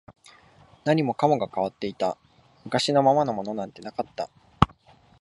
何もかもが変わっていた、昔のままのものなんてなかった